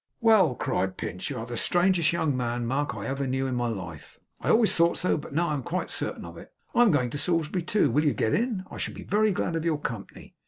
'Well!' cried Pinch, 'you are the strangest young man, Mark, I ever knew in my life. I always thought so; but now I am quite certain of it. I am going to Salisbury, too. Will you get in? I shall be very glad of your company.